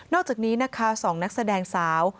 อกจากนี้นะคะ๒นักแสดงสาว